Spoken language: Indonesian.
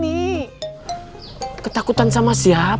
biar tidak ketakutan sekali ya kum